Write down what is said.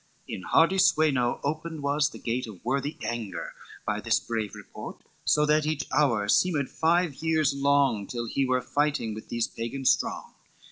In hardy Sweno opened was the gate Of worthy anger by this brave report, So that each hour seemed five years long, Till he were fighting with these Pagans strong.